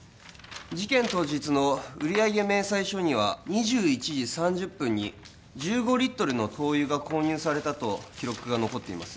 事件当日の売上明細書には２１時３０分に１５リットルの灯油が購入されたと記録が残っています